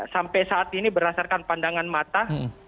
sampai saat ini berdasarkan pandangan mata